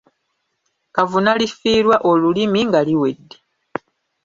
Kavuna lifiirwa olulimi, nga liwedde.